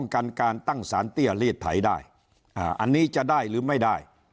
กันการตั้งสารเตี้ยลีดไถได้อันนี้จะได้หรือไม่ได้